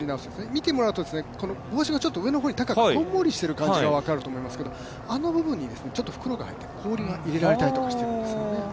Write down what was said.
見てもらうと、この帽子がちょっと上の方に高くこんもりしている感じが分かると思いますが、あの部分に袋が入れられてて、氷が入れられたりとかしてるんですよね。